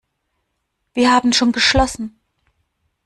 Wir haben schon geschlossen.